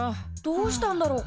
どうしたんだろ？